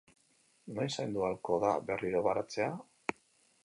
Noiz zaindu ahalko da berriro baratzea?